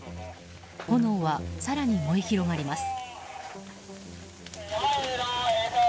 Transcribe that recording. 炎は更に燃え広がります。